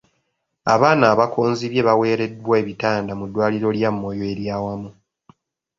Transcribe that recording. Abaana abakonzibye baaweereddwa ebitanda mu ddwaliro lya Moyo ery'awamu.